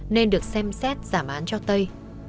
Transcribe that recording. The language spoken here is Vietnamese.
nên được xem xét giảm án cho tây